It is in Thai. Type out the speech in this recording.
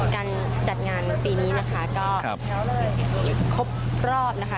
การจัดงานปีนี้นะคะก็ครบรอบนะคะ